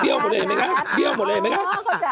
เปรี้ยวหมดเลยเห็นไหมครับเปรี้ยวหมดเลยเห็นไหมครับ